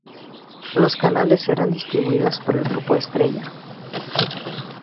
Los canales serán distribuidos por el Grupo Estrella.